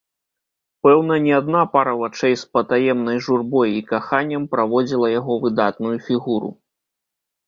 Пэўна, не адна пара вачэй з патаемнай журбой і каханнем праводзіла яго выдатную фігуру!